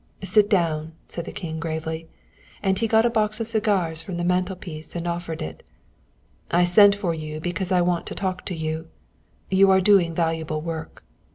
"Sit down," said the King gravely. And he got a box of cigars from the mantelpiece and offered it. "I sent for you because I want to talk to you. You are doing valuable work."